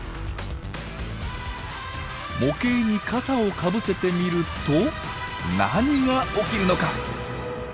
模型に傘をかぶせてみると何が起きるのか。